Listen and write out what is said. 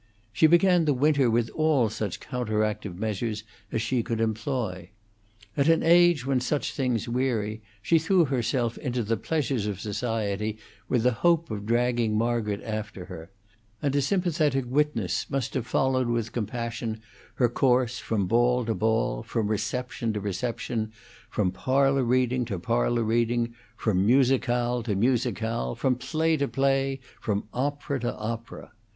She began the winter with all such counteractive measures as she could employ. At an age when such things weary, she threw herself into the pleasures of society with the hope of dragging Margaret after her; and a sympathetic witness must have followed with compassion her course from ball to ball, from reception to reception, from parlor reading to parlor reading, from musicale to musicale, from play to play, from opera to opera.